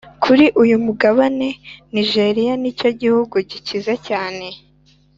kuri uyu mugabane nigeria nicyo gihugu gikize cyane